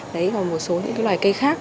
đấy còn một số những cái loài cây khác